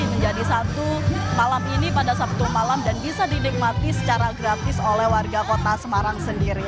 menjadi satu malam ini pada sabtu malam dan bisa dinikmati secara gratis oleh warga kota semarang sendiri